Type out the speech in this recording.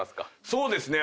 そうですね。